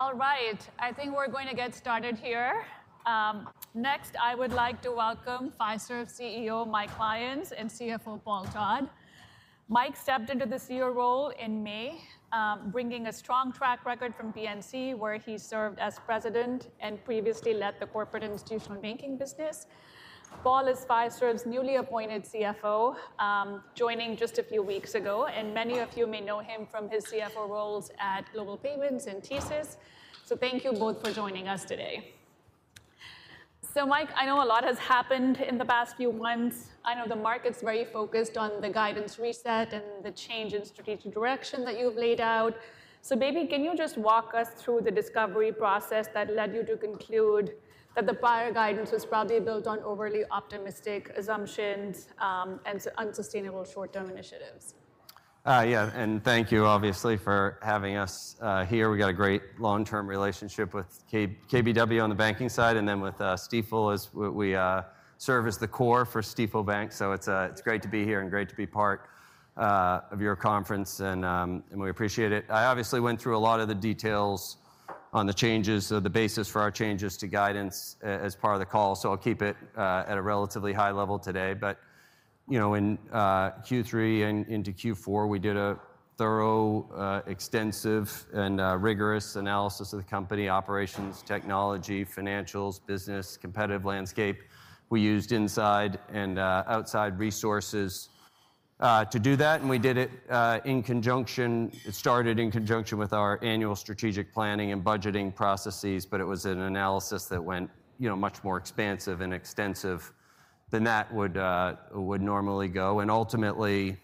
All right, I think we're going to get started here. Next, I would like to welcome Fiserv CEO Mike Lyons and CFO Paul Todd. Mike stepped into the CEO role in May, bringing a strong track record from PNC, where he served as president and previously led the corporate institutional banking business. Paul is Fiserv's newly appointed CFO, joining just a few weeks ago, and many of you may know him from his CFO roles at Global Payments and TSYS, so thank you both for joining us today, so Mike, I know a lot has happened in the past few months. I know the market's very focused on the guidance reset and the change in strategic direction that you've laid out. So maybe can you just walk us through the discovery process that led you to conclude that the prior guidance was probably built on overly optimistic assumptions and unsustainable short-term initiatives? Yeah, and thank you, obviously, for having us here. We've got a great long-term relationship with KBW on the banking side and then with Stifel as we serve as the core for Stifel Bank. So it's great to be here and great to be part of your conference, and we appreciate it. I obviously went through a lot of the details on the changes, the basis for our changes to guidance as part of the call, so I'll keep it at a relatively high level today. But in Q3 and into Q4, we did a thorough, extensive, and rigorous analysis of the company: operations, technology, financials, business, competitive landscape. We used inside and outside resources to do that, and we did it in conjunction. It started in conjunction with our annual strategic planning and budgeting processes, but it was an analysis that went much more expansive and extensive than that would normally go. And ultimately,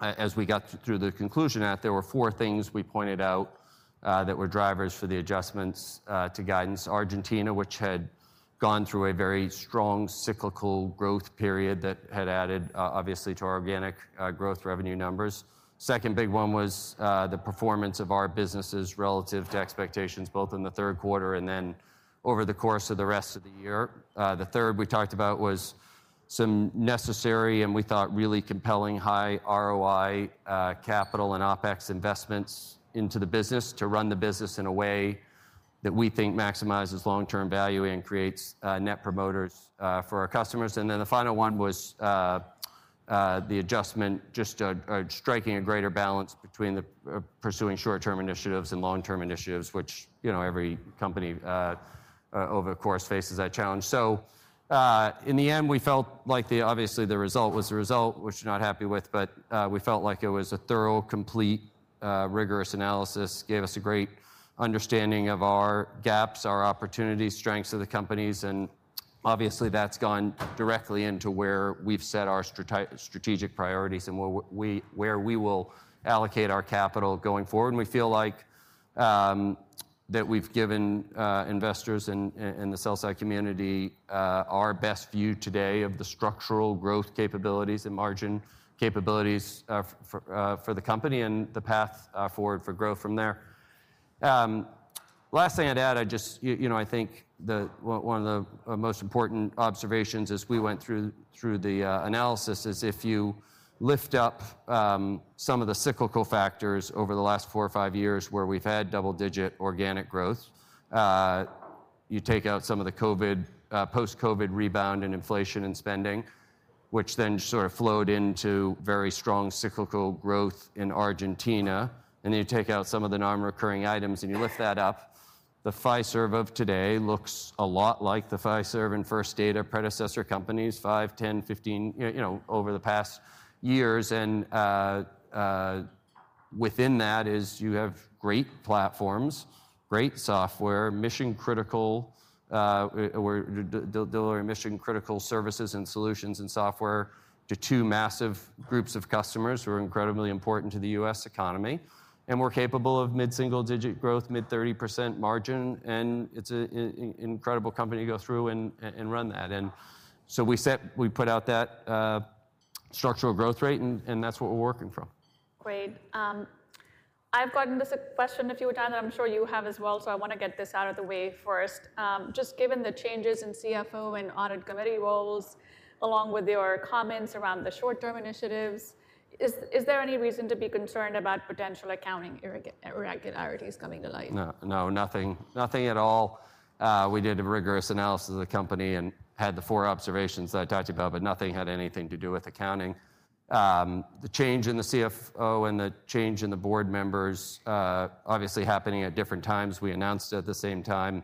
as we got through the conclusion of that, there were four things we pointed out that were drivers for the adjustments to guidance: Argentina, which had gone through a very strong cyclical growth period that had added, obviously, to our organic growth revenue numbers. The second big one was the performance of our businesses relative to expectations, both in the third quarter and then over the course of the rest of the year. The third we talked about was some necessary and we thought really compelling high ROI capital and OpEx investments into the business to run the business in a way that we think maximizes long-term value and creates net promoters for our customers. And then the final one was the adjustment, just striking a greater balance between pursuing short-term initiatives and long-term initiatives, which every company over the course faces that challenge. So in the end, we felt like the, obviously, the result was the result, which we're not happy with, but we felt like it was a thorough, complete, rigorous analysis, gave us a great understanding of our gaps, our opportunities, strengths of the companies, and obviously, that's gone directly into where we've set our strategic priorities and where we will allocate our capital going forward. And we feel like that we've given investors and the sell-side community our best view today of the structural growth capabilities and margin capabilities for the company and the path forward for growth from there. Last thing I'd add, I just, you know, I think one of the most important observations as we went through the analysis is if you lift up some of the cyclical factors over the last four or five years where we've had double-digit organic growth, you take out some of the COVID, post-COVID rebound in inflation and spending, which then sort of flowed into very strong cyclical growth in Argentina, and then you take out some of the non-recurring items and you lift that up, the Fiserv of today looks a lot like the Fiserv and First Data predecessor companies, 5, 10, 15, you know, over the past years, and within that is you have great platforms, great software, mission-critical, we're delivering mission-critical services and solutions and software to two massive groups of customers who are incredibly important to the U.S. economy, and we're capable of mid-single-digit growth, mid-30% margin, and it's an incredible company to go through and run that, and so we set, we put out that structural growth rate, and that's what we're working from. Great. I've gotten this question a few times, and I'm sure you have as well, so I want to get this out of the way first. Just given the changes in CFO and audit committee roles, along with your comments around the short-term initiatives, is there any reason to be concerned about potential accounting irregularities coming to light? No, no, nothing, nothing at all. We did a rigorous analysis of the company and had the four observations that I talked about, but nothing had anything to do with accounting. The change in the CFO and the change in the board members, obviously happening at different times, we announced at the same time.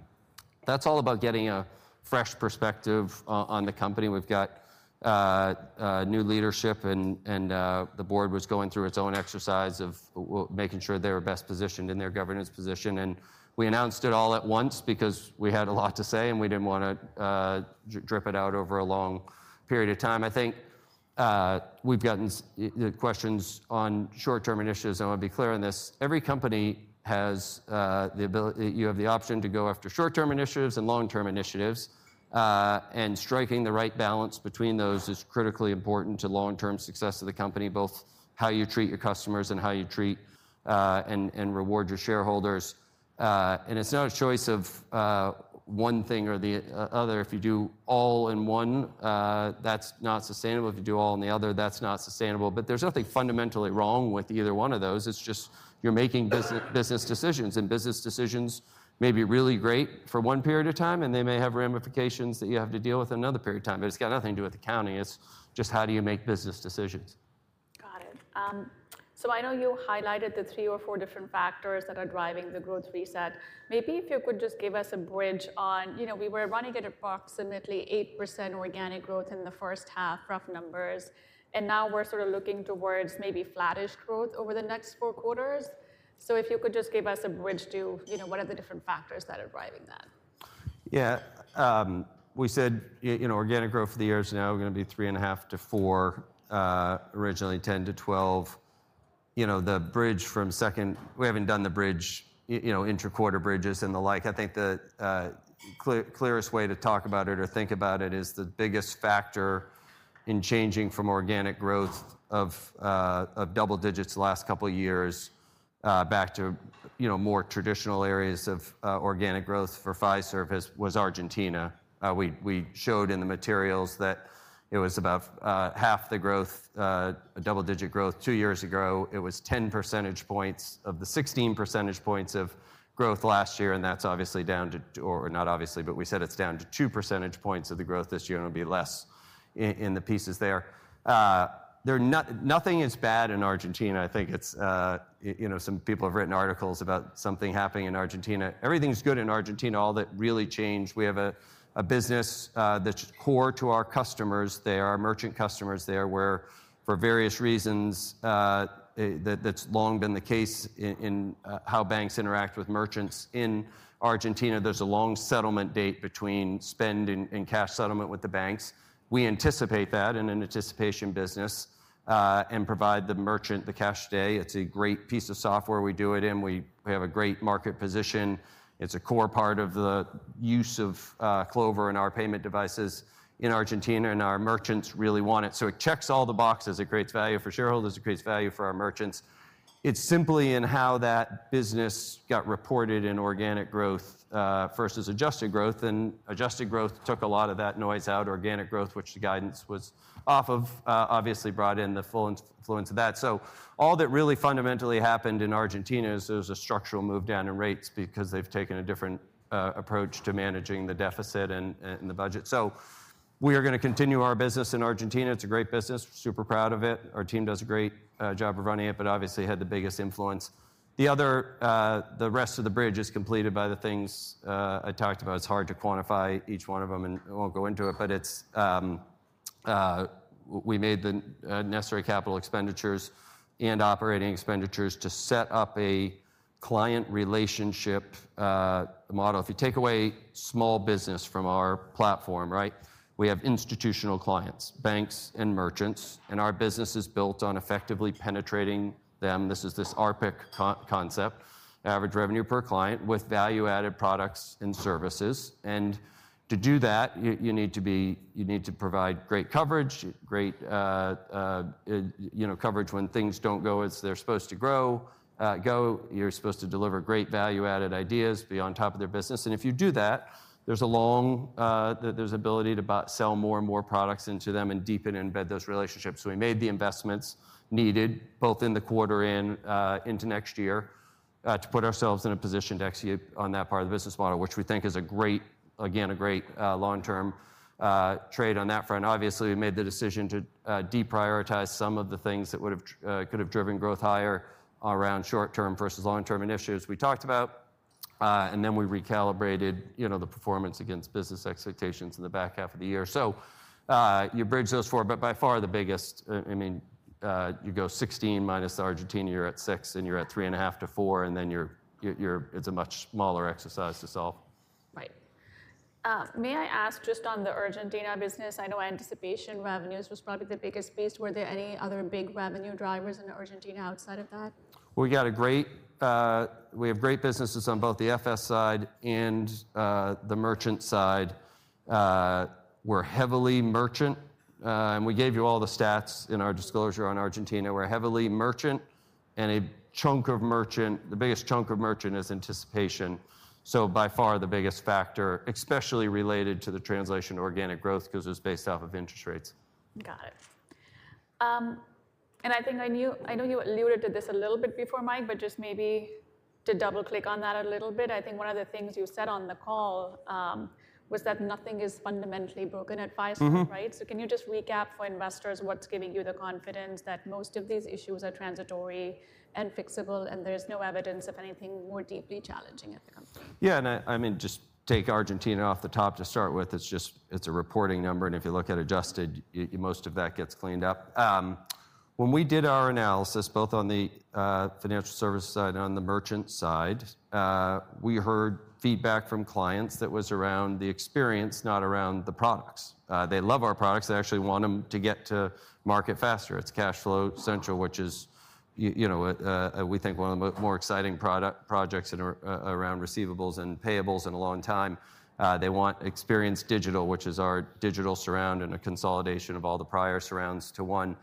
That's all about getting a fresh perspective on the company. We've got new leadership, and the board was going through its own exercise of making sure they were best positioned in their governance position, and we announced it all at once because we had a lot to say, and we didn't want to drip it out over a long period of time. I think we've gotten the questions on short-term initiatives, and I want to be clear on this. Every company has the ability, you have the option to go after short-term initiatives and long-term initiatives, and striking the right balance between those is critically important to long-term success of the company, both how you treat your customers and how you treat and reward your shareholders. And it's not a choice of one thing or the other. If you do all in one, that's not sustainable. If you do all in the other, that's not sustainable. But there's nothing fundamentally wrong with either one of those. It's just you're making business decisions, and business decisions may be really great for one period of time, and they may have ramifications that you have to deal with in another period of time, but it's got nothing to do with accounting. It's just how do you make business decisions. Got it. So I know you highlighted the three or four different factors that are driving the growth reset. Maybe if you could just give us a bridge on, you know, we were running at approximately 8% organic growth in the first half, rough numbers, and now we're sort of looking towards maybe flattish growth over the next four quarters. So if you could just give us a bridge to, you know, what are the different factors that are driving that? Yeah, we said, you know, organic growth for the years now is going to be 3.5%-4%, originally 10%-12%. You know, the bridge from second, we haven't done the bridge, you know, interquarter bridges and the like. I think the clearest way to talk about it or think about it is the biggest factor in changing from organic growth of double-digit the last couple of years back to, you know, more traditional areas of organic growth for Fiserv was Argentina. We showed in the materials that it was about half the growth, double-digit growth two years ago. It was 10 percentage points of the 16 percentage points of growth last year, and that's obviously down to, or not obviously, but we said it's down to two percentage points of the growth this year, and it'll be less in the pieces there. Nothing is bad in Argentina. I think it's, you know, some people have written articles about something happening in Argentina. Everything's good in Argentina. All that really changed. We have a business that's core to our customers there, our merchant customers there, where for various reasons that's long been the case in how banks interact with merchants in Argentina. There's a long settlement date between spend and cash settlement with the banks. We anticipate that in an Anticipation business and provide the merchant the cash today. It's a great piece of software we do it in. We have a great market position. It's a core part of the use of Clover in our payment devices in Argentina, and our merchants really want it. So it checks all the boxes. It creates value for shareholders. It creates value for our merchants. It's simply in how that business got reported in organic growth versus adjusted growth, and adjusted growth took a lot of that noise out. Organic growth, which the guidance was off of, obviously brought in the full influence of that, so all that really fundamentally happened in Argentina is there's a structural move down in rates because they've taken a different approach to managing the deficit and the budget, so we are going to continue our business in Argentina. It's a great business. We're super proud of it. Our team does a great job of running it, but obviously had the biggest influence. The other, the rest of the bridge is completed by the things I talked about. It's hard to quantify each one of them, and I won't go into it, but we made the necessary capital expenditures and operating expenditures to set up a client relationship model. If you take away small business from our platform, right, we have institutional clients, banks, and merchants, and our business is built on effectively penetrating them. This is this ARPC concept, average revenue per client with value-added products and services. And to do that, you need to be, you need to provide great coverage, great, you know, coverage when things don't go as they're supposed to go. You're supposed to deliver great value-added ideas, be on top of their business. And if you do that, there's an ability to sell more and more products into them and deepen and embed those relationships. So we made the investments needed both in the quarter and into next year to put ourselves in a position to execute on that part of the business model, which we think is a great, again, a great long-term trade on that front. Obviously, we made the decision to deprioritize some of the things that could have driven growth higher around short-term versus long-term initiatives we talked about, and then we recalibrated, you know, the performance against business expectations in the back half of the year, so you bridge those four, but by far the biggest, I mean, you go 16 minus the Argentina, you're at six, and you're at three and a half to four, and then you're, it's a much smaller exercise to solve. Right. May I ask just on the Argentina business? I know Anticipation revenues was probably the biggest piece. Were there any other big revenue drivers in Argentina outside of that? We have great businesses on both the FS side and the merchant side. We're heavily merchant, and we gave you all the stats in our disclosure on Argentina. We're heavily merchant, and a chunk of merchant, the biggest chunk of merchant is Anticipation. So by far the biggest factor, especially related to the translational organic growth, because it was based off of interest rates. Got it. And I think I knew, I know you alluded to this a little bit before, Mike, but just maybe to double-click on that a little bit, I think one of the things you said on the call was that nothing is fundamentally broken at Fiserv, right? So can you just recap for investors what's giving you the confidence that most of these issues are transitory and fixable, and there is no evidence of anything more deeply challenging at the company? Yeah, and I mean, just take Argentina off the top to start with. It's just, it's a reporting number, and if you look at adjusted, most of that gets cleaned up. When we did our analysis, both on the financial service side and on the merchant side, we heard feedback from clients that was around the experience, not around the products. They love our products. They actually want them to get to market faster. It's CashFlow Central, which is, you know, we think one of the more exciting projects around receivables and payables in a long time. They want Experience Digital, which is our digital surround and a consolidation of all the prior surrounds to one.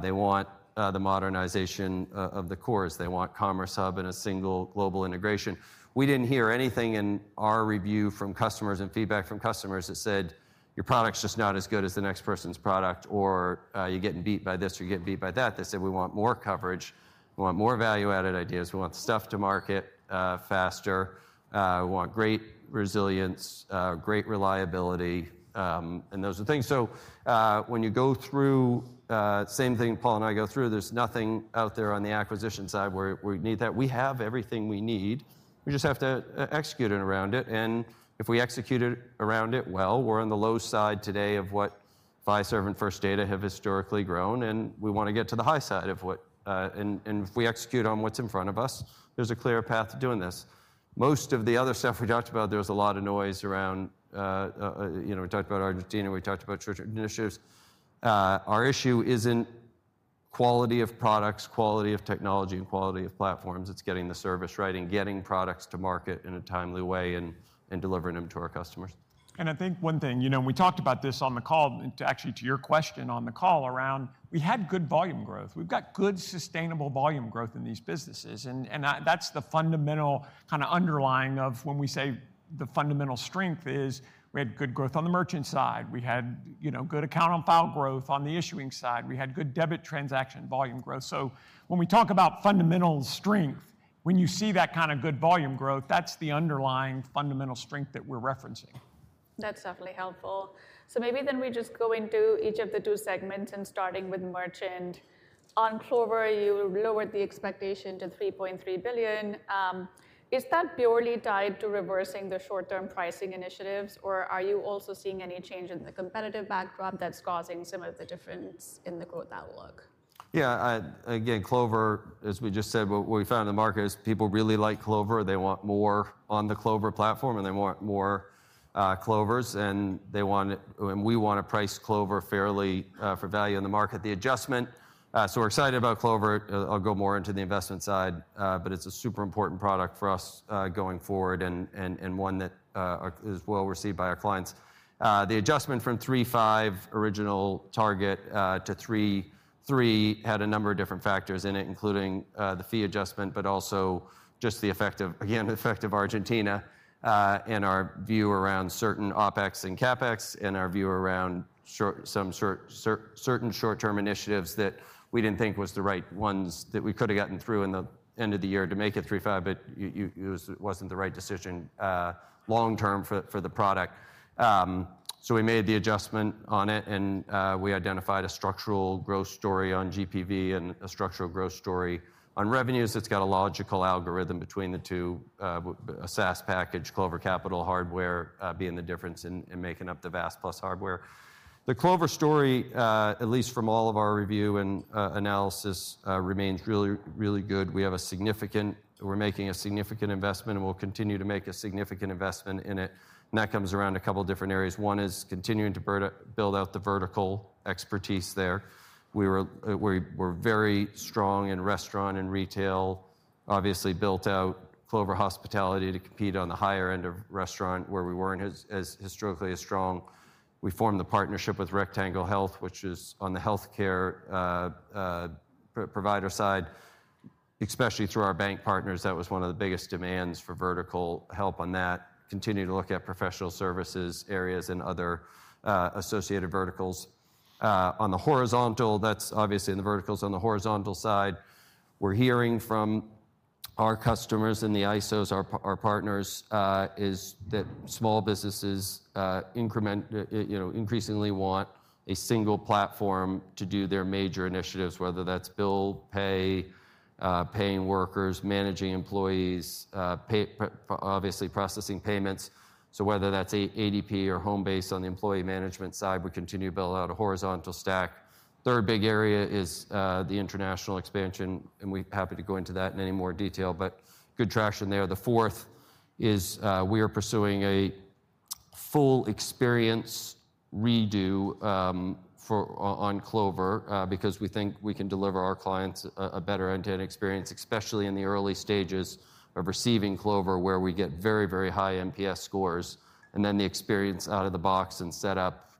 They want the modernization of the cores. They want Commerce Hub and a single global integration. We didn't hear anything in our review from customers and feedback from customers that said, "Your product's just not as good as the next person's product," or, "You're getting beat by this," or, "You're getting beat by that." They said, "We want more coverage. We want more value-added ideas. We want stuff to market faster. We want great resilience, great reliability," and those are things. So when you go through, same thing Paul and I go through, there's nothing out there on the acquisition side where we need that. We have everything we need. We just have to execute it around it, and if we execute it around it well, we're on the low side today of what Fiserv and First Data have historically grown, and we want to get to the high side of what, and if we execute on what's in front of us, there's a clear path to doing this. Most of the other stuff we talked about, there was a lot of noise around, you know, we talked about Argentina, we talked about short-term initiatives. Our issue isn't quality of products, quality of technology, and quality of platforms. It's getting the service right and getting products to market in a timely way and delivering them to our customers. I think one thing, you know, and we talked about this on the call, actually to your question on the call around. We had good volume growth. We've got good sustainable volume growth in these businesses, and that's the fundamental kind of underlying of when we say the fundamental strength is we had good growth on the merchant side. We had, you know, good account on file growth on the issuing side. We had good debit transaction volume growth. So when we talk about fundamental strength, when you see that kind of good volume growth, that's the underlying fundamental strength that we're referencing. That's definitely helpful. So maybe then we just go into each of the two segments and starting with merchant. On Clover, you lowered the expectation to $3.3 billion. Is that purely tied to reversing the short-term pricing initiatives, or are you also seeing any change in the competitive backdrop that's causing some of the difference in the growth outlook? Yeah, again, Clover, as we just said, what we found in the market is people really like Clover. They want more on the Clover platform, and they want more Clovers, and they want, and we want to price Clover fairly for value in the market. The adjustment, so we're excited about Clover. I'll go more into the investment side, but it's a super important product for us going forward and one that is well received by our clients. The adjustment from 3.5 original target to 3.3 had a number of different factors in it, including the fee adjustment, but also just the effect of, again, the effect of Argentina and our view around certain OpEx and CapEx and our view around some certain short-term initiatives that we didn't think was the right ones that we could have gotten through in the end of the year to make it 3.5, but it wasn't the right decision long-term for the product. So we made the adjustment on it, and we identified a structural growth story on GPV and a structural growth story on revenues. It's got a logical algorithm between the two, a SaaS package, Clover Capital hardware being the difference in making up the VAS plus hardware. The Clover story, at least from all of our review and analysis, remains really, really good. We're making a significant investment, and we'll continue to make a significant investment in it. And that comes around a couple of different areas. One is continuing to build out the vertical expertise there. We were very strong in restaurant and retail, obviously built out Clover Hospitality to compete on the higher end of restaurant where we weren't as historically as strong. We formed the partnership with Rectangle Health, which is on the healthcare provider side, especially through our bank partners. That was one of the biggest demands for vertical help on that. Continue to look at professional services areas and other associated verticals. On the horizontal, that's obviously in the verticals on the horizontal side. We're hearing from our customers and the ISOs, our partners, is that small businesses increasingly want a single platform to do their major initiatives, whether that's bill pay, paying workers, managing employees, obviously processing payments. So whether that's ADP or Homebase on the employee management side, we continue to build out a horizontal stack. Third big area is the international expansion, and we're happy to go into that in any more detail, but good traction there. The fourth is we are pursuing a full experience redo on Clover because we think we can deliver our clients a better end-to-end experience, especially in the early stages of receiving Clover where we get very, very high NPS scores. And then the experience out of the box and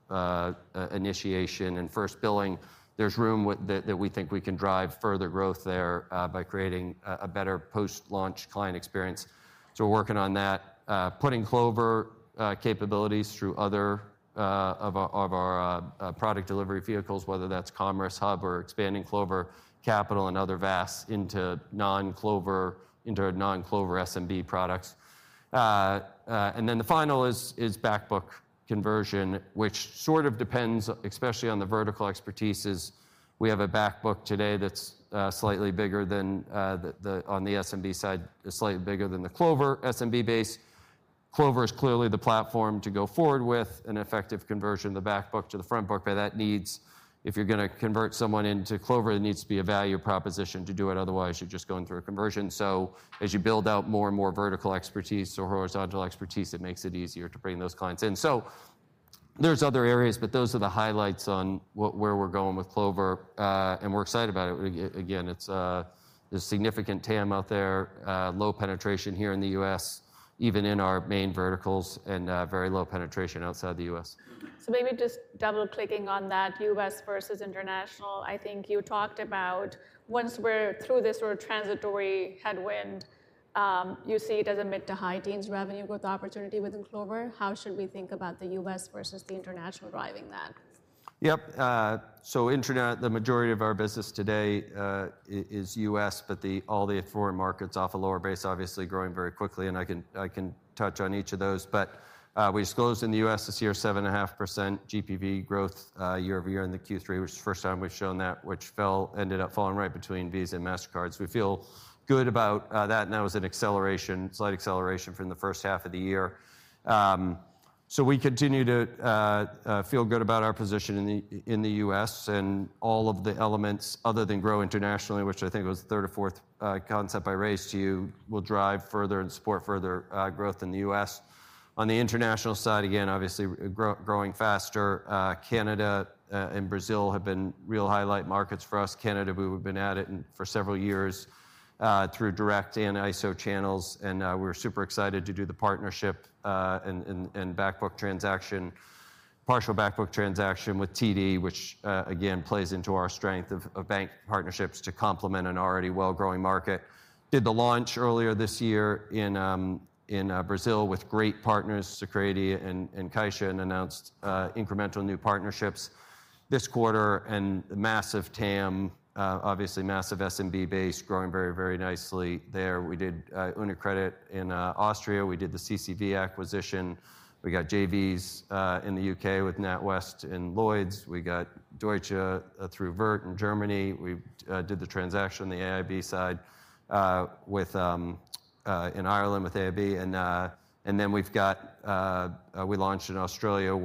setup initiation and first billing, there's room that we think we can drive further growth there by creating a better post-launch client experience. So we're working on that, putting Clover capabilities through other of our product delivery vehicles, whether that's Commerce Hub or expanding Clover Capital and other VAS into non-Clover, into non-Clover SMB products. And then the final is backbook conversion, which sort of depends, especially on the vertical expertises. We have a backbook today that's slightly bigger than the one on the SMB side, slightly bigger than the Clover SMB base. Clover is clearly the platform to go forward with an effective conversion of the backbook to the frontbook. That needs, if you're going to convert someone into Clover, there needs to be a value proposition to do it. Otherwise, you're just going through a conversion. So as you build out more and more vertical expertise or horizontal expertise, it makes it easier to bring those clients in. So there's other areas, but those are the highlights on where we're going with Clover, and we're excited about it. Again, there's significant TAM out there, low penetration here in the U.S., even in our main verticals, and very low penetration outside the U.S. So maybe just double-clicking on that U.S. versus international, I think you talked about once we're through this sort of transitory headwind, you see it as a mid- to high-teens revenue growth opportunity within Clover. How should we think about the U.S. versus the international driving that? Yep. So the majority of our business today is U.S., but all the foreign markets off a lower base, obviously growing very quickly, and I can touch on each of those. But we disclosed in the U.S. this year, 7.5% GPV growth year-over-year in the Q3, which is the first time we've shown that, which ended up falling right between Visa and Mastercard. So we feel good about that, and that was an acceleration, slight acceleration from the first half of the year. So we continue to feel good about our position in the U.S., and all of the elements other than grow internationally, which I think was the third or fourth concept I raised to you, will drive further and support further growth in the U.S. On the international side, again, obviously growing faster. Canada and Brazil have been real highlight markets for us. Canada, we've been at it for several years through direct and ISO channels, and we're super excited to do the partnership and backbook transaction, partial backbook transaction with TD, which again plays into our strength of bank partnerships to complement an already well-growing market. We did the launch earlier this year in Brazil with great partners, Sicredi and Caixa, and announced incremental new partnerships this quarter and massive TAM, obviously massive SMB base growing very, very nicely there. We did UniCredit in Austria. We did the CCV acquisition. We got JVs in the UK with NatWest and Lloyds. We got Deutsche through Vert in Germany. We did the transaction on the AIB side in Ireland with AIB. And then we've got. We launched in Australia,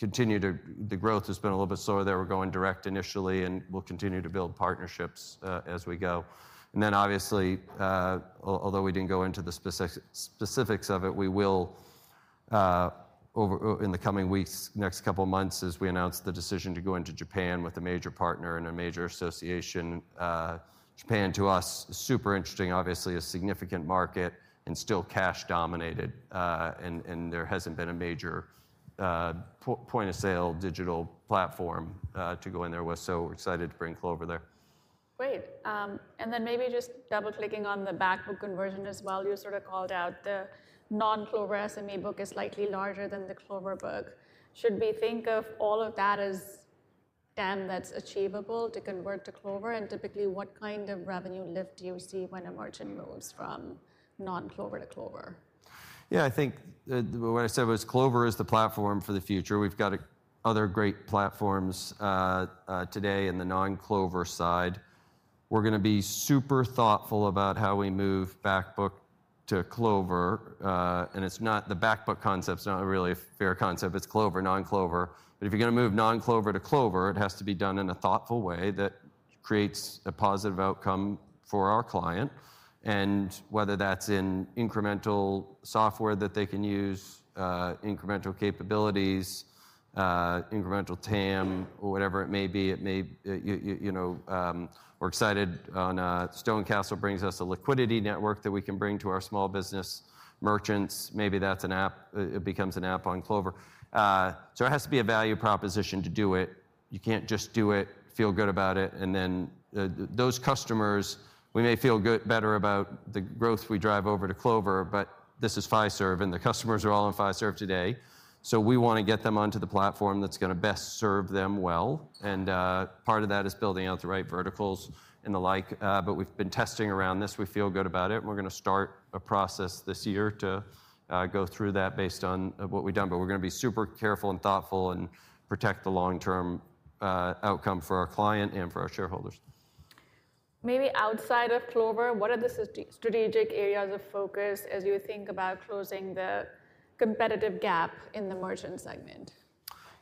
and the growth has been a little bit slower there. We're going direct initially and we'll continue to build partnerships as we go, and then obviously, although we didn't go into the specifics of it, we will in the coming weeks, next couple of months, as we announce the decision to go into Japan with a major partner and a major association. Japan to us is super interesting, obviously a significant market and still cash dominated, and there hasn't been a major point of sale digital platform to go in there with, so we're excited to bring Clover there. Great. And then maybe just double-clicking on the backbook conversion as well, you sort of called out the non-Clover SME book is slightly larger than the Clover book. Should we think of all of that as TAM that's achievable to convert to Clover? And typically, what kind of revenue lift do you see when a merchant moves from non-Clover to Clover? Yeah, I think what I said was Clover is the platform for the future. We've got other great platforms today in the non-Clover side. We're going to be super thoughtful about how we move backbook to Clover, and it's not. The backbook concept is not really a fair concept. It's Clover, non-Clover. But if you're going to move non-Clover to Clover, it has to be done in a thoughtful way that creates a positive outcome for our client. And whether that's in incremental software that they can use, incremental capabilities, incremental TAM, or whatever it may be, you know, we're excited on StoneCastle brings us a liquidity network that we can bring to our small business merchants. Maybe that's an app, it becomes an app on Clover. So it has to be a value proposition to do it. You can't just do it, feel good about it, and then those customers, we may feel better about the growth we drive over to Clover, but this is Fiserv, and the customers are all in Fiserv today. So we want to get them onto the platform that's going to best serve them well, and part of that is building out the right verticals and the like, but we've been testing around this. We feel good about it, and we're going to start a process this year to go through that based on what we've done, but we're going to be super careful and thoughtful and protect the long-term outcome for our client and for our shareholders. Maybe outside of Clover, what are the strategic areas of focus as you think about closing the competitive gap in the merchant segment?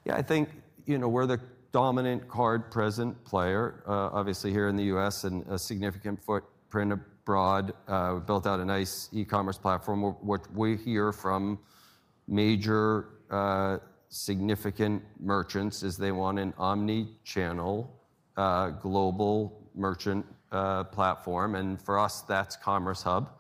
Yeah, I think, you know, we're the dominant card present player, obviously here in the U.S. and a significant footprint abroad. We built out a nice e-commerce platform. What we hear from major significant merchants is they want an omnichannel global merchant platform, and for us, that's Commerce Hub.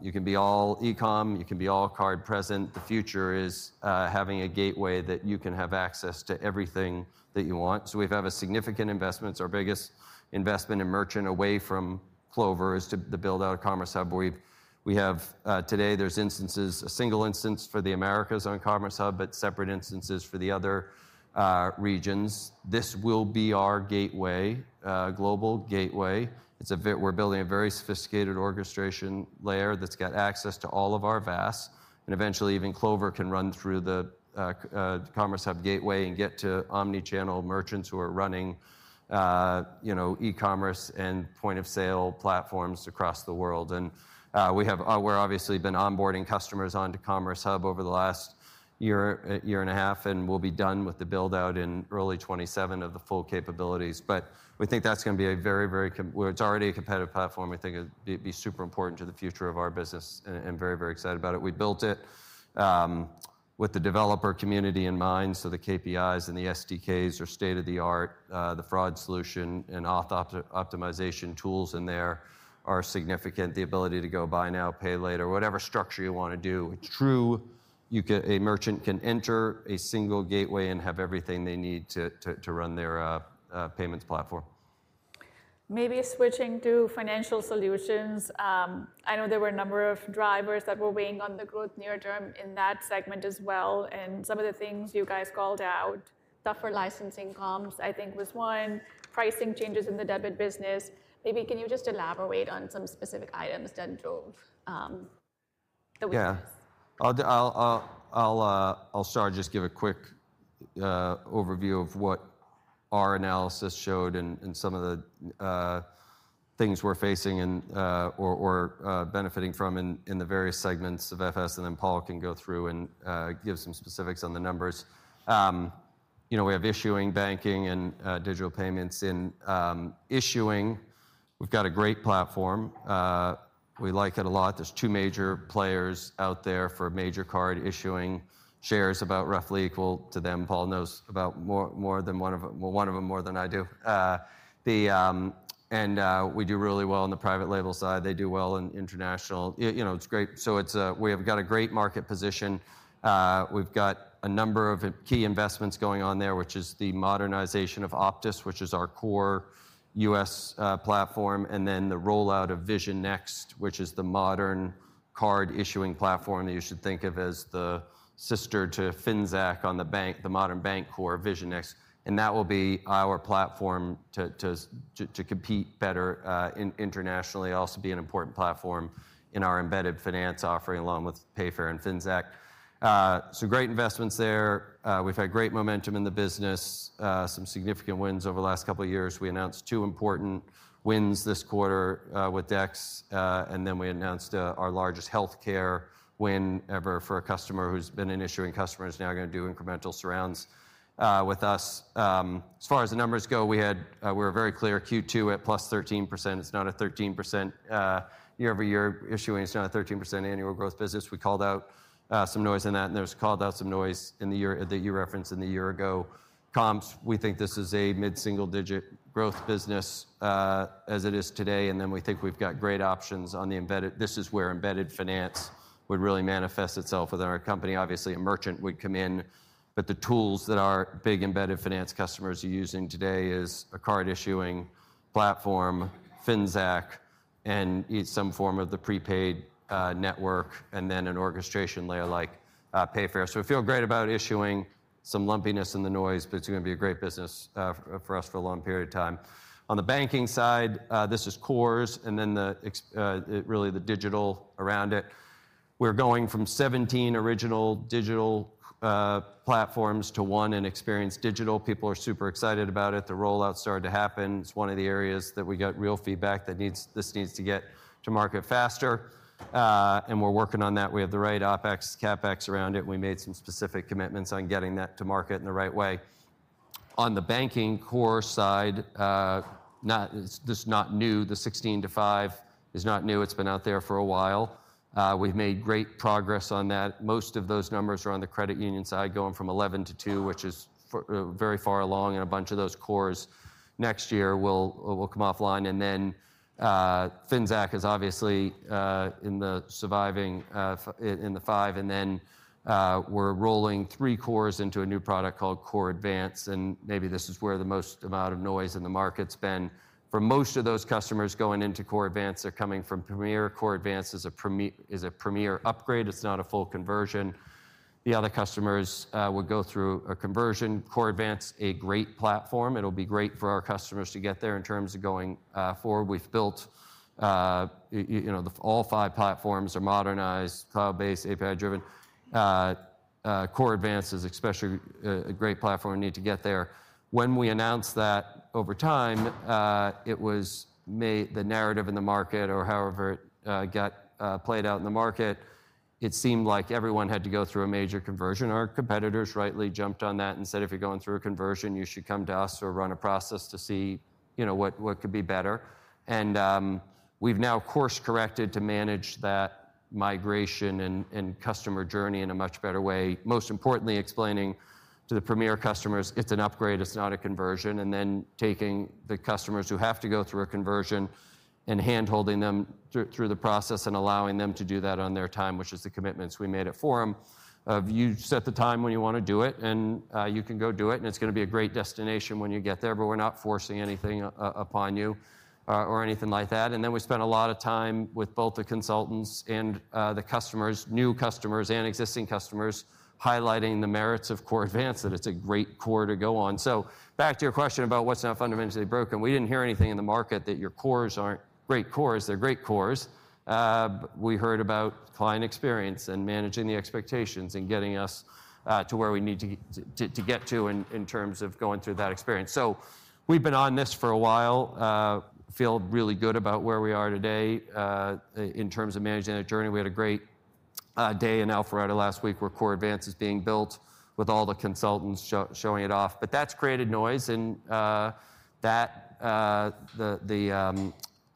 You can be all e-com, you can be all card present. The future is having a gateway that you can have access to everything that you want. So we've had a significant investment. Our biggest investment in merchant away from Clover is to build out a Commerce Hub. We have today, there's instances, a single instance for the Americas on Commerce Hub, but separate instances for the other regions. This will be our gateway, global gateway. We're building a very sophisticated orchestration layer that's got access to all of our VAS, and eventually even Clover can run through the Commerce Hub gateway and get to omnichannel merchants who are running, you know, e-commerce and point of sale platforms across the world. And we have obviously been onboarding customers onto Commerce Hub over the last year, year and a half, and we'll be done with the build-out in early 2027 of the full capabilities. But we think that's going to be a very, very, it's already a competitive platform. We think it'd be super important to the future of our business and very, very excited about it. We built it with the developer community in mind, so the KPIs and the SDKs are state of the art. The fraud solution and auth optimization tools in there are significant. The ability to go buy now, pay later, whatever structure you want to do, it's true. A merchant can enter a single gateway and have everything they need to run their payments platform. Maybe switching to Financial Solutions. I know there were a number of drivers that were weighing on the growth near-term in that segment as well. And some of the things you guys called out, tougher licensing commissions, I think was one, pricing changes in the debit business. Maybe can you just elaborate on some specific items that drove the weakness? Yeah. I'll start, just give a quick overview of what our analysis showed and some of the things we're facing and/or benefiting from in the various segments of FS, and then Paul can go through and give some specifics on the numbers. You know, we have issuing banking and digital payments in issuing. We've got a great platform. We like it a lot. There's two major players out there for major card issuing. Shares about roughly equal to them. Paul knows about more than one of them, more than I do. And we do really well on the private label side. They do well in international. You know, it's great. So we have got a great market position. We've got a number of key investments going on there, which is the modernization of Optis, which is our core U.S. platform, and then the rollout of Vision Next, which is the modern card issuing platform that you should think of as the sister to Finxact on the bank, the modern bank core Vision Next. And that will be our platform to compete better internationally, also be an important platform in our embedded finance offering along with Payfare and Finxact. So great investments there. We've had great momentum in the business, some significant wins over the last couple of years. We announced two important wins this quarter with Dex, and then we announced our largest healthcare win ever for a customer who's been an issuing customer is now going to do incremental surrounds with us. As far as the numbers go, we had, we were very clear, Q2 at +13%. It's not a 13% year-over-year issuing. It's not a 13% annual growth business. We called out some noise in that, and there was called out some noise in the year that you referenced in the year-ago comps. We think this is a mid-single-digit growth business as it is today, and then we think we've got great options on the embedded. This is where embedded finance would really manifest itself within our company. Obviously, a merchant would come in, but the tools that our big embedded finance customers are using today is a card issuing platform, Finxact, and some form of the prepaid network, and then an orchestration layer like Payfare. So we feel great about issuing, some lumpiness in the noise, but it's going to be a great business for us for a long period of time. On the banking side, this is cores and then really the digital around it. We're going from 17 original digital platforms to one in Experience Digital. People are super excited about it. The rollout started to happen. It's one of the areas that we got real feedback that this needs to get to market faster, and we're working on that. We have the right OpEx, CapEx around it. We made some specific commitments on getting that to market in the right way. On the banking core side, this is not new. The 16 to 5 is not new. It's been out there for a while. We've made great progress on that. Most of those numbers are on the credit union side going from 11 to two, which is very far along, and a bunch of those cores next year will come offline. Then Finxact is obviously in the surviving five, and then we're rolling three cores into a new product called Core Advanced, and maybe this is where the most amount of noise in the market's been. For most of those customers going into Core Advanced, they're coming from Premier. Core Advanced is a Premier upgrade. It's not a full conversion. The other customers would go through a conversion. Core Advanced, a great platform. It'll be great for our customers to get there in terms of going forward. We've built, you know, all five platforms are modernized, cloud-based, API-driven. Core Advanced is especially a great platform we need to get there. When we announced that over time, it was the narrative in the market or however it got played out in the market, it seemed like everyone had to go through a major conversion. Our competitors rightly jumped on that and said, "If you're going through a conversion, you should come to us or run a process to see, you know, what could be better." And we've now course-corrected to manage that migration and customer journey in a much better way. Most importantly, explaining to the Premier customers, it's an upgrade, it's not a conversion, and then taking the customers who have to go through a conversion and hand-holding them through the process and allowing them to do that on their time, which is the commitments we made at Forum. You set the time when you want to do it, and you can go do it, and it's going to be a great destination when you get there, but we're not forcing anything upon you or anything like that, and then we spent a lot of time with both the consultants and the customers, new customers and existing customers, highlighting the merits of Core Advanced, that it's a great core to go on, so back to your question about what's not fundamentally broken. We didn't hear anything in the market that your cores aren't great cores. They're great cores. We heard about client experience and managing the expectations and getting us to where we need to get to in terms of going through that experience, so we've been on this for a while. Feel really good about where we are today in terms of managing that journey. We had a great day in Alpharetta last week where Core Advanced is being built with all the consultants showing it off, but that's created noise, and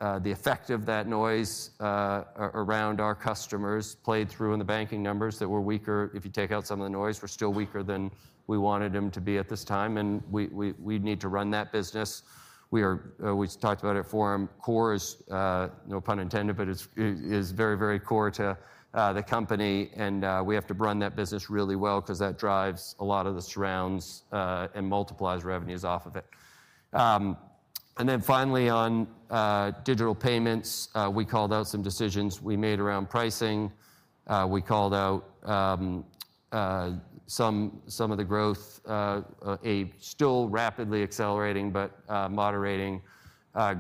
the effect of that noise around our customers played through in the banking numbers that we're weaker. If you take out some of the noise, we're still weaker than we wanted them to be at this time, and we need to run that business. We talked about it at Forum. Core is, no pun intended, but it is very, very core to the company, and we have to run that business really well because that drives a lot of the surrounds and multiplies revenues off of it, and then finally, on digital payments, we called out some decisions we made around pricing. We called out some of the growth, a still rapidly accelerating, but moderating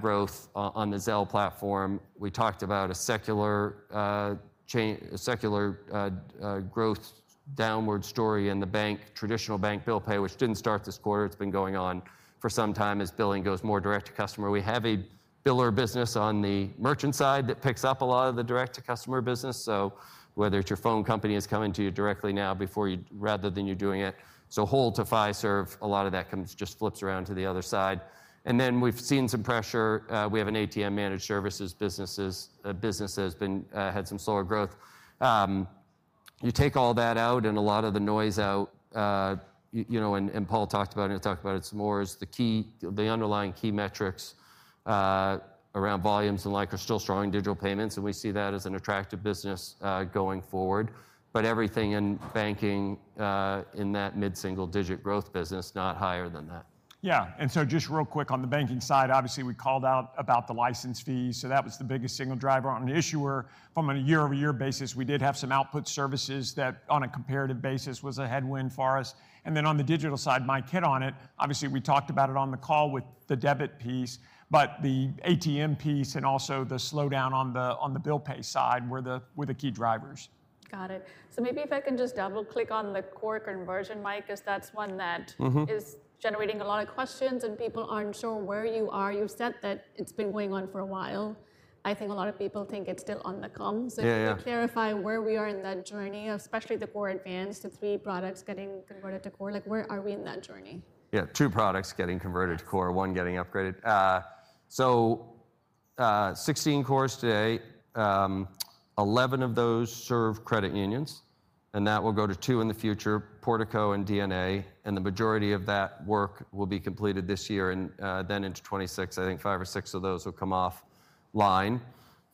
growth on the Zelle platform. We talked about a secular growth downward story in the banking traditional bank bill pay, which didn't start this quarter. It's been going on for some time as billing goes more direct to customer. We have a biller business on the merchant side that picks up a lot of the direct to customer business. So whether it's your phone company coming to you directly now rather than you're doing it. So overall to Fiserv, a lot of that just flips around to the other side. And then we've seen some pressure. We have an ATM managed services business. The business has had some slower growth. You take all that out and a lot of the noise out, you know, and Paul talked about it and talked about it some more, is the key, the underlying key metrics around volumes and like are still strong in digital payments, and we see that as an attractive business going forward. But everything in banking in that mid-single digit growth business, not higher than that. Yeah. And so, just real quick on the banking side, obviously we called out about the license fees. So that was the biggest single driver on an issuer. From a year-over-year basis, we did have some output services that on a comparative basis was a headwind for us. And then on the digital side, Mike hit on it. Obviously, we talked about it on the call with the debit piece, but the ATM piece and also the slowdown on the bill pay side were the key drivers. Got it. So maybe if I can just double-click on the core conversion, Mike, because that's one that is generating a lot of questions and people aren't sure where you are. You've said that it's been going on for a while. I think a lot of people think it's still on the cusp. So can you clarify where we are in that journey, especially the Core Advanced, the three products getting converted to core? Like, where are we in that journey? Yeah, two products getting converted to core, one getting upgraded. So 16 cores today, 11 of those serve credit unions, and that will go to two in the future, Portico and DNA, and the majority of that work will be completed this year and then into 2026. I think five or six of those will come offline.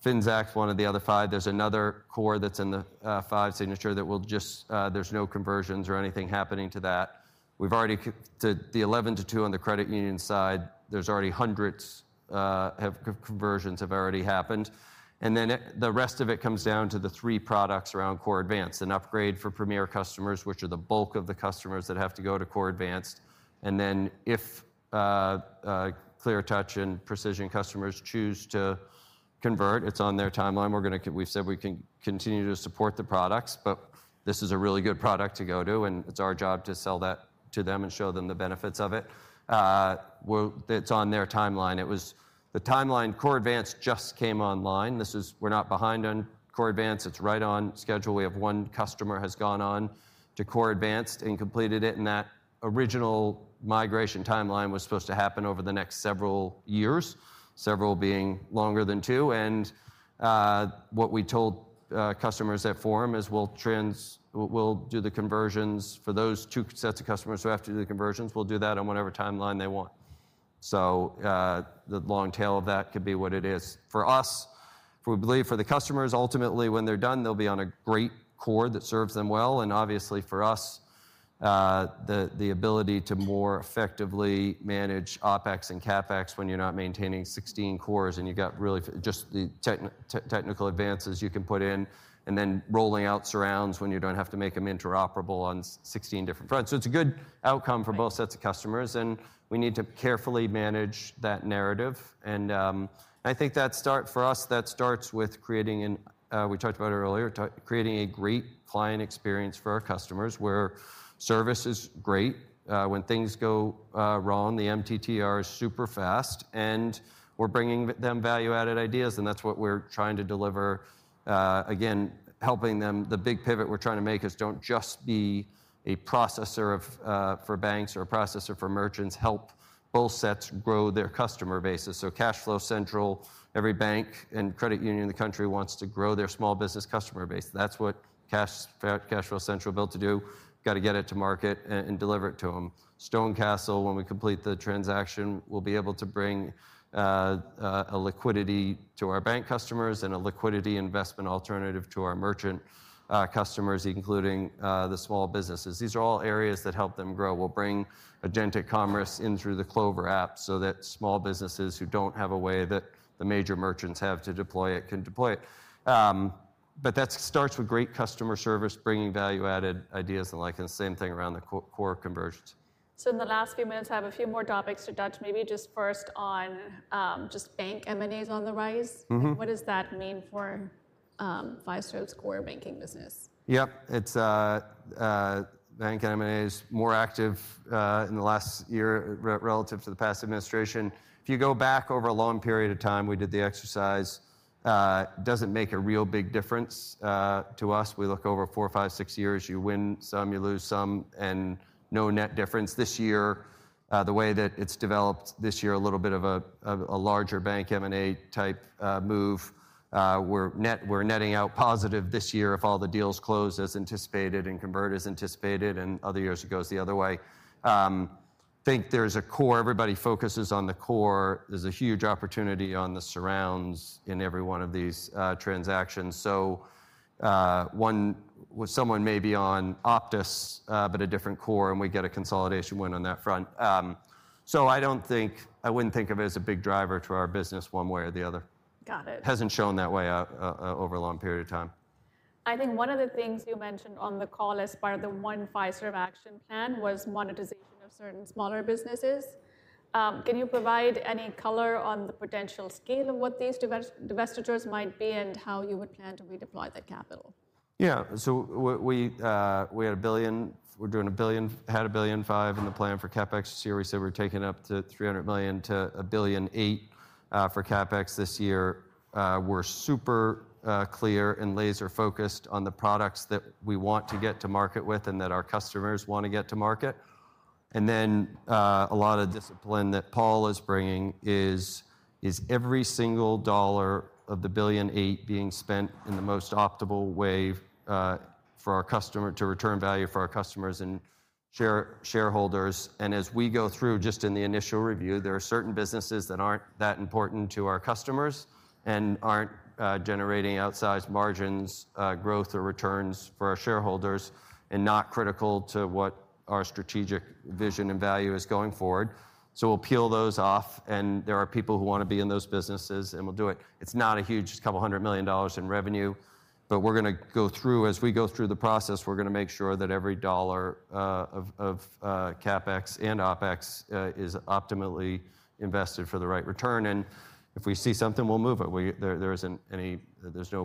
Finxact's one of the other five. There's another core that's in the five Signature that will just, there's no conversions or anything happening to that. We've already, to the 11 to 2 on the credit union side, there's already hundreds of conversions have already happened. And then the rest of it comes down to the three products around Core Advanced, an upgrade for Premier customers, which are the bulk of the customers that have to go to Core Advanced. And then if Cleartouch and Precision customers choose to convert, it's on their timeline. We've said we can continue to support the products, but this is a really good product to go to, and it's our job to sell that to them and show them the benefits of it. It's on their timeline. The timeline Core Advanced just came online. This is, we're not behind on Core Advanced. It's right on schedule. We have one customer has gone on to Core Advanced and completed it, and that original migration timeline was supposed to happen over the next several years, several being longer than two. And what we told customers at Forum is we'll do the conversions for those two sets of customers who have to do the conversions. We'll do that on whatever timeline they want. So the long tail of that could be what it is. For us, we believe for the customers, ultimately when they're done, they'll be on a great core that serves them well. And obviously for us, the ability to more effectively manage OpEx and CapEx when you're not maintaining 16 cores and you've got really just the technical advances you can put in and then rolling out surrounds when you don't have to make them interoperable on 16 different fronts. So it's a good outcome for both sets of customers, and we need to carefully manage that narrative. And I think that start for us, that starts with creating, we talked about it earlier, creating a great client experience for our customers where service is great. When things go wrong, the MTTR is super fast, and we're bringing them value-added ideas, and that's what we're trying to deliver. Again, helping them, the big pivot we're trying to make is don't just be a processor for banks or a processor for merchants. Help both sets grow their customer bases. So CashFlow Central, every bank and credit union in the country wants to grow their small business customer base. That's what CashFlow Central built to do. Got to get it to market and deliver it to them. StoneCastle, when we complete the transaction, we'll be able to bring a liquidity to our bank customers and a liquidity investment alternative to our merchant customers, including the small businesses. These are all areas that help them grow. We'll bring Agentic commerce in through the Clover app so that small businesses who don't have a way that the major merchants have to deploy it can deploy it. But that starts with great customer service, bringing value-added ideas and like, and same thing around the core conversions. So in the last few minutes, I have a few more topics to touch. Maybe just first on just bank M&As on the rise. What does that mean for Fiserv's core banking business? Yep. Bank M&As more active in the last year relative to the past administration. If you go back over a long period of time, we did the exercise. It doesn't make a real big difference to us. We look over four, five, six years. You win some, you lose some, and no net difference. This year, the way that it's developed this year, a little bit of a larger bank M&A type move. We're netting out positive this year if all the deals close as anticipated and convert as anticipated, and other years it goes the other way. I think there's a core. Everybody focuses on the core. There's a huge opportunity on the surrounds in every one of these transactions. So someone may be on Optis, but a different core, and we get a consolidation win on that front. I don't think, I wouldn't think of it as a big driver to our business one way or the other. Got it. Hasn't shown that way over a long period of time. I think one of the things you mentioned on the call as part of the One Fiserv action plan was monetization of certain smaller businesses. Can you provide any color on the potential scale of what these divestitures might be and how you would plan to redeploy that capital? Yeah. We had $1 billion. We're doing $1 billion. We had $1.5 billion in the plan for CapEx this year. We said we're taking up to $300 million to $1.8 billion for CapEx this year. We're super clear and laser-focused on the products that we want to get to market with and that our customers want to get to market. A lot of discipline that Paul is bringing is every single dollar of the $1.8 billion being spent in the most optimal way for our customer to return value for our customers and shareholders. As we go through, just in the initial review, there are certain businesses that aren't that important to our customers and aren't generating outsized margins, growth, or returns for our shareholders and not critical to what our strategic vision and value is going forward. We'll peel those off, and there are people who want to be in those businesses, and we'll do it. It's not a huge $200 million in revenue, but we're going to go through, as we go through the process, we're going to make sure that every dollar of CapEx and OpEx is optimally invested for the right return. And if we see something, we'll move it. There isn't any, there's no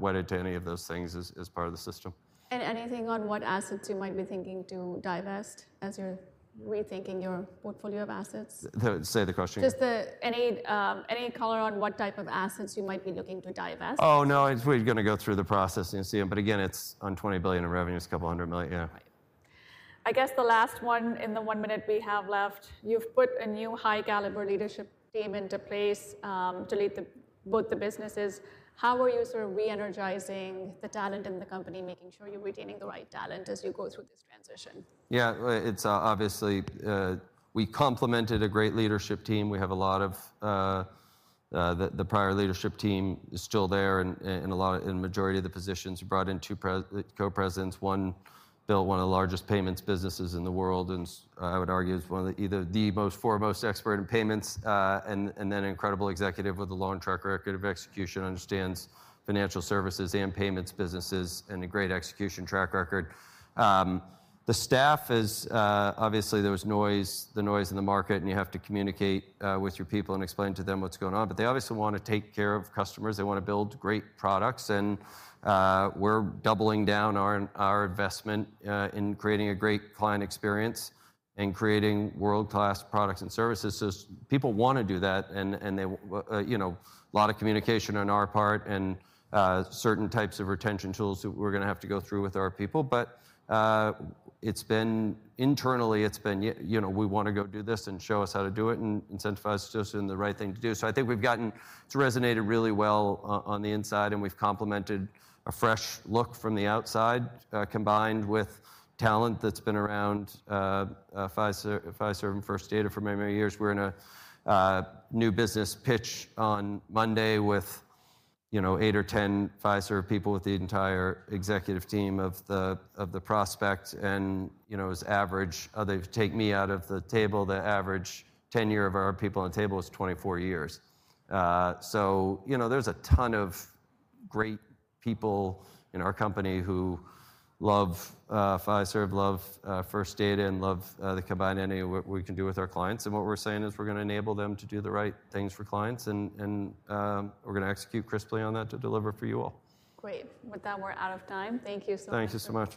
wedded to any of those things as part of the system. Anything on what assets you might be thinking to divest as you're rethinking your portfolio of assets? Say the question again. Just any color on what type of assets you might be looking to divest? Oh, no, we're going to go through the process and see them. But again, it's on $20 billion in revenue, it's a couple hundred million, yeah. I guess the last one in the one minute we have left, you've put a new high-caliber leadership team into place, to lead both the businesses. How are you sort of re-energizing the talent in the company, making sure you're retaining the right talent as you go through this transition? Yeah, it's obviously we complemented a great leadership team. We have a lot of the prior leadership team is still there and a lot of, and the majority of the positions brought in two co-presidents. One built one of the largest payments businesses in the world, and I would argue is one of the either the most foremost expert in payments and then an incredible executive with a long track record of execution, understands financial services and payments businesses, and a great execution track record. The staff is obviously there was noise, the noise in the market, and you have to communicate with your people and explain to them what's going on. But they obviously want to take care of customers. They want to build great products, and we're doubling down our investment in creating a great client experience and creating world-class products and services. So people want to do that, and a lot of communication on our part and certain types of retention tools that we're going to have to go through with our people. But it's been internally, it's been, you know, we want to go do this and show us how to do it and incentivize us to do the right thing to do. So I think we've gotten, it's resonated really well on the inside, and we've complemented a fresh look from the outside, combined with talent that's been around Fiserv and First Data for many years. We're in a new business pitch on Monday with eight or 10 Fiserv people with the entire executive team of the prospect. And on average, they take me out of the table, the average tenure of our people on the table is 24 years. So, you know, there's a ton of great people in our company who love Fiserv, love First Data, and love the combined entity of what we can do with our clients. And what we're saying is we're going to enable them to do the right things for clients, and we're going to execute crisply on that to deliver for you all. Great. With that, we're out of time. Thank you so much. Thank you so much.